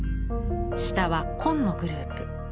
下は「坤」のグループ。